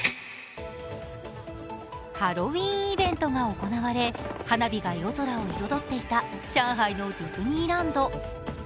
ハロウィーンイベントが行われ花火が夜空を彩っていた上海のディズニーランド。